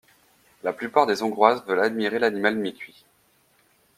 La plupart des hongroises veulent admirer l'animal mi-cuit.